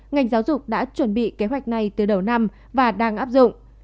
ngành giáo dục đã chuẩn bị kế hoạch này từ đầu năm và đang áp dụng